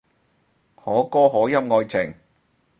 可歌可泣愛情